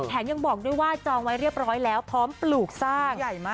ยังบอกด้วยว่าจองไว้เรียบร้อยแล้วพร้อมปลูกสร้าง